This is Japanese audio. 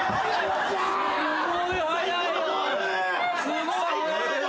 すごいね！